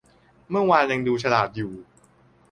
เมื่อวานยังดูฉลาดอยู่